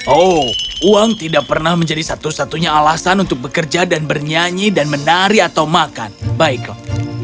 oh uang tidak pernah menjadi satu satunya alasan untuk bekerja dan bernyanyi dan menari atau makan baiklah